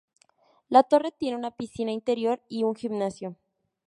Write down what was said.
La torre tiene una piscina interior y un gimnasio.